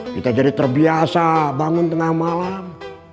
kita jadi terbiasa bangun tengah malam